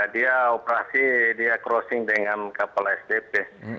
dia operasi dia crossing dengan kapal sdp